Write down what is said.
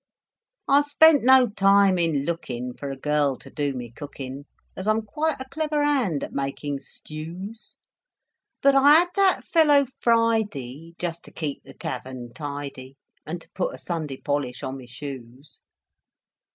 I spent no time in looking For a girl to do my cooking, As I'm quite a clever hand at making stews; But I had that fellow Friday Just to keep the tavern tidy, And to put a Sunday polish on my shoes.